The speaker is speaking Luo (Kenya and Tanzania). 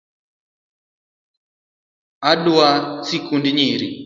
Adwa sikund nyiri